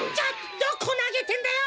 どこなげてんだよ！